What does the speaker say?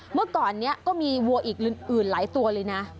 เมื่อก่อนนี้ก็มีวัวอีกอื่นหลายตัวเลยนะ